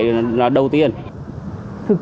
đầu tiên là cháy chữa cháy là đầu tiên là cháy chữa cháy